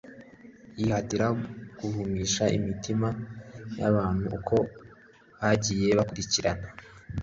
Yihatira guhumisha imitima y'abantu uko bagiye bakurikirana